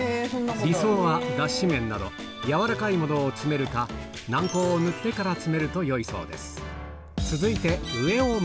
理想は脱脂綿など、柔らかいものを詰めるか、軟膏を塗ってから詰めるとよいそうです。